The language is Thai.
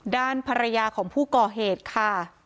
ด้านภรรยาของผู้ก่อเหตุค่ะ